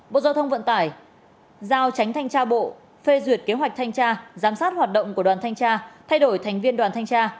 bộ giao thông vận tải giao tránh thanh tra bộ phê duyệt kế hoạch thanh tra giám sát hoạt động của đoàn thanh tra thay đổi thành viên đoàn thanh tra